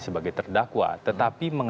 sebagai terdakwa tetapi